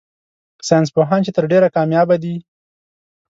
ساينس پوهان چي تر ډېره کاميابه دي